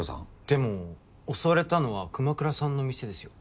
でも襲われたのは熊倉さんの店ですよ？